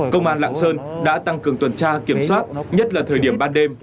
công an lạng sơn đã tăng cường tuần tra kiểm soát nhất là thời điểm ban đêm